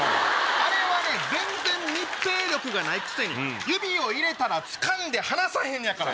あれは全然密閉力がないくせに指を入れたらつかんで離さへんねやから。